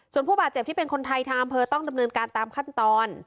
ส่วนผู้บาดเจ็บที่เป็นคนไทยทางอำเภอต้องดำเนินการตามขั้นตอน